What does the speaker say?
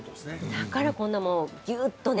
だからこんなもうギューッとね。